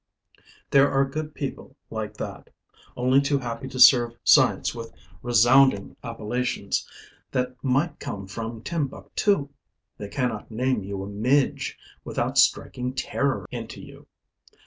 There are good people like that, only too happy to serve science with resounding appellations that might come from Timbuktu; they cannot name you a midge without striking terror into you.